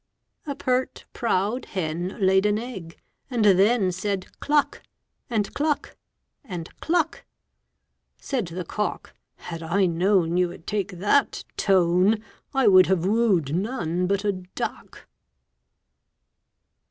A pert, proud hen Laid an egg, and then Said "Cluck!" and "cluck!" and "cluck!" Said the cock, "Had I known You would take that tone, I would have wooed none But a duck!"